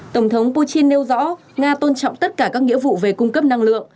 tổng thống putin nêu rõ nga tôn trọng tất cả các nghĩa vụ về cung cấp năng lượng